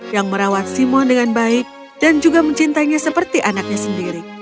yang merawat simon dengan baik dan juga mencintainya seperti anaknya sendiri